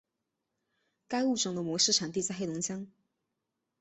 该物种的模式产地在黑龙江。